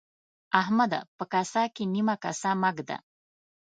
احمده! په کاسه کې نيمه کاسه مه اېږده.